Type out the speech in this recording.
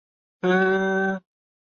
你本来就是他的猎物